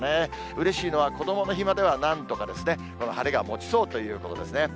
うれしいのはこどもの日まではなんとかこの晴れがもちそうということですね。